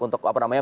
untuk apa namanya